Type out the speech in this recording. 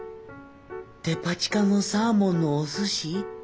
デパ地下のサーモンのお寿司。